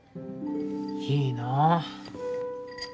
いいなぁ。